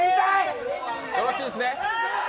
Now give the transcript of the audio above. よろしいですね。